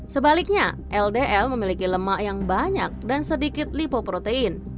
sebaliknya ldl memiliki lemak yang banyak dan sedikit lipoprotein